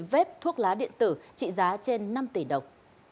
ghép thuốc lá điện tử trị giá trên năm tỷ đồng